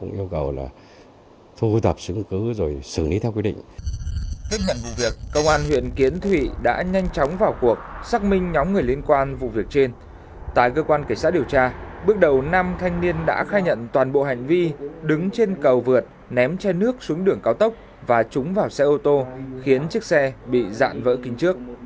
tăng vật thu giữ trên năm triệu đồng cùng một số cáp ghi số lô số đề bước đầu năm thanh niên đã khai nhận toàn bộ hành vi đứng trên cầu vượt ném chai nước xuống đường cao tốc và trúng vào xe ô tô khiến chiếc xe bị dạn vỡ kính trước